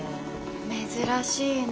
珍しいね。